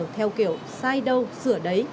theo kiểu sai đâu sửa đấy